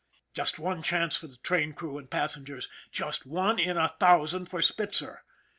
Just one chance for the train crew and passengers just one in a thousand for Spiftzer.